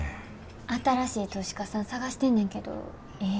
新しい投資家さん探してんねんけどええ